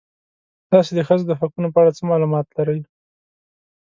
تاسې د ښځو د حقونو په اړه څه معلومات لرئ؟